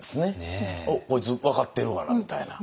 「おっこいつ分かってるがな」みたいな。